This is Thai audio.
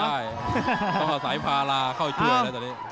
ใช่ต้องเอาสายพาราเข้าเจือนเลยตอนนี้